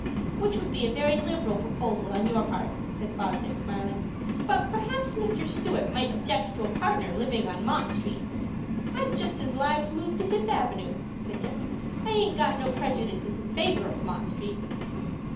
"Which would be a very liberal proposal on your part," said Fosdick, smiling. "But perhaps Mr. Stewart might object to a partner living on Mott Street." "I'd just as lieves move to Fifth Avenoo," said Dick. "I aint got no prejudices in favor of Mott Street."